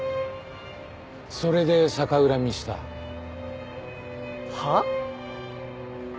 それで逆恨みした？はあ？